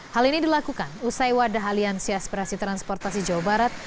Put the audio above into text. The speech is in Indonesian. hal ini dilakukan usai wadah halian si aspirasi transportasi jawa barat